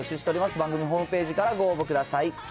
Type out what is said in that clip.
番組のホームページからご応募ください。